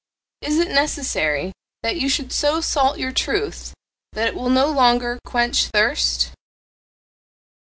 Is it necessary that you should so salt your truth that it will no longer quench thirst?